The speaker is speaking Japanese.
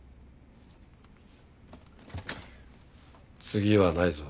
次はないぞ。